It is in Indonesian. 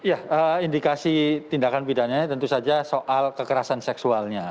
ya indikasi tindakan pidananya tentu saja soal kekerasan seksualnya